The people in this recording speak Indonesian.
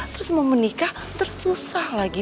terus mau menikah terus susah lagi